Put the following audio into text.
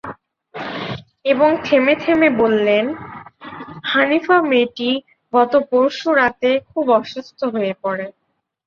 এবং থেমে থেমে বললেন, হানিফা মেয়েটি গত পরশু রাতে খুব অসুস্থ হয়ে পড়ে।